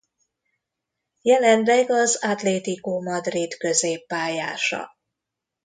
Jelenleg az Atlético Madrid középpályása.